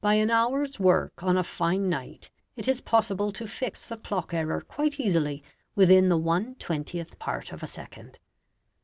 By an hour's work on a fine night it is possible to fix the clock error quite easily within the one twentieth part of a second.